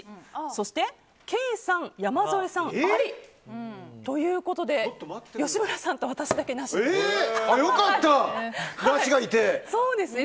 そして、ケイさん、山添さんありということで吉村さんと私だけなしですね。